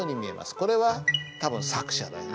これは多分作者だよね。